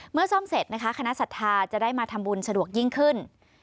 ซ่อมเสร็จนะคะคณะศรัทธาจะได้มาทำบุญสะดวกยิ่งขึ้น